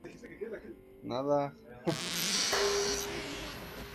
Fue protector de los pájaros, señor del aire y los campos.